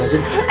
ini pade gimana